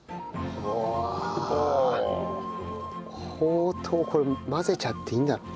ほうとうこれ混ぜちゃっていいんだろうな。